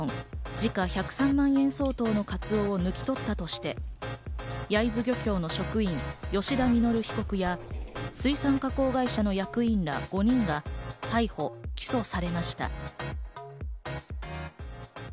時価１０３万円相当のカツオを抜き取ったとして、焼津漁協の職員・吉田稔被告や、水産加工会社の役員ら５人が逮捕・起訴されました。